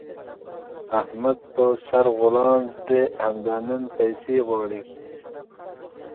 احمد په سره غولانځ دی؛ همدا نن پيسې غواړي.